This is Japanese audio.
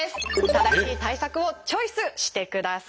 正しい対策をチョイスしてください。